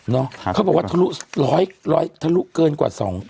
เขาบอกว่าทะลุร้อยร้อยทะลุเกินกว่าสอง